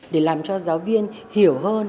để làm cho giáo viên hiểu hơn